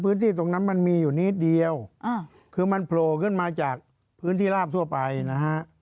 พื้นที่ตรงนั้นมันมีอยู่นิดเดียวคือมันโผล่ขึ้นมาจากพื้นที่ราบทั่วไปนะฮะ